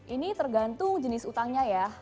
ini tergantung jenis utangnya ya